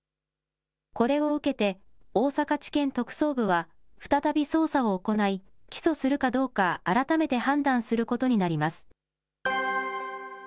これを受けて、大阪地検特捜部は再び捜査を行い、起訴するかどうか、改めて判断することになります。